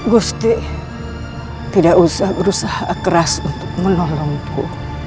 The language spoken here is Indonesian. gusti tidak usah berusaha keras untuk menolongku